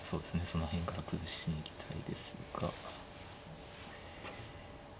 その辺から崩しに行きたいですが。